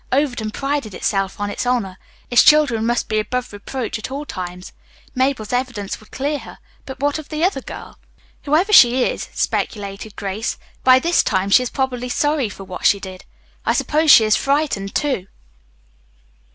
Overton prided itself on its honor. Its children must be above reproach at all times. Mabel's evidence would clear her. But what of the other girl? "Whoever she is," speculated Grace, "by this time she is probably sorry for what she did. I suppose she is frightened, too.